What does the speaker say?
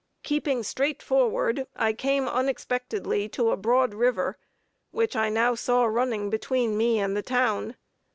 Keeping straight forward, I came unexpectedly to a broad river, which I now saw running between me and the town.